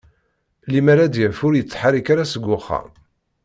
Limmer ad yaf ur yettḥarrik ara seg uxxam.